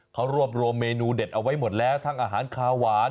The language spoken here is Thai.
เขารวบรวมเมนูเด็ดเอาไว้หมดแล้วทั้งอาหารคาหวาน